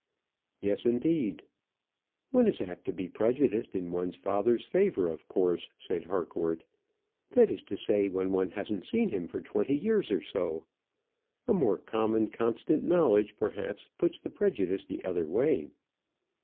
"Yes, indeed." "One is apt to be prejudiced in one's father's favour, of course," said Harcourt. "That is to say, when one hasn't seen him for twenty years or so. A more common, constant knowledge, perhaps, puts the prejudice the other way."